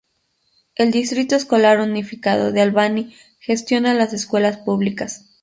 El Distrito Escolar Unificado de Albany gestiona las escuelas públicas.